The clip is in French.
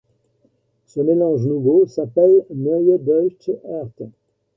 Ce mélange nouveau s'appelle Neue Deutsche Härte.